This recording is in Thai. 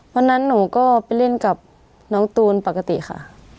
วันนั้นหนูก็ไปเล่นกับน้องตูนปกติค่ะ